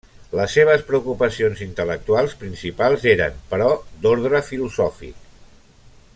Les seves preocupacions intel·lectuals principals eren, però, d'ordre filosòfic.